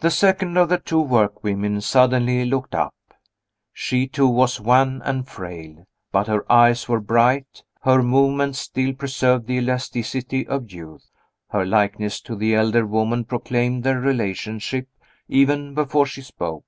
The second of the two workwomen suddenly looked up. She, too, was wan and frail; but her eyes were bright; her movements still preserved the elasticity of youth. Her likeness to the elder woman proclaimed their relationship, even before she spoke.